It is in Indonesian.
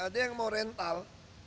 ada yang mau rental